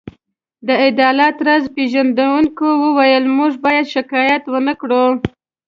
د عدالت راز پيژندونکو وویل: موږ باید شکایت ونه کړو.